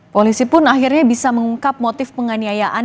polisi pun akhirnya bisa mengungkap motif penganiayaan